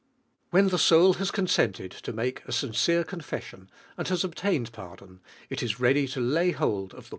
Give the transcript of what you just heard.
: When I lie soul has consented to mate a sincere confession and has obtained pardon, it is ready to lay hold of the